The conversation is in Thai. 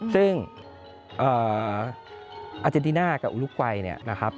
ซึ่งอาเจนติน่ากับอุลุกวัยเนี่ยนะครับ